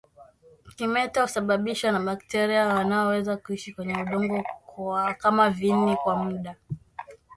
Kimeta husababishwa na bakteria wanaoweza kuishi kwenye udongo kama viini kwa muda